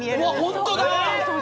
本当だ！